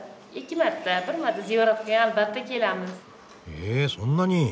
へえそんなに。